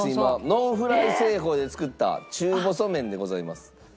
ノンフライ製法で作った中細麺でございます。